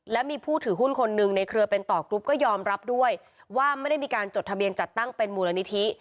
และมีผู้ถือหุ้นคนหนึ่งในเครือเป็นต่อกรุ๊ปก็ยอมรับด้วยว่าไม่ได้มีการจดทะเบียนจัดตั้งเป็นมูลนิธิ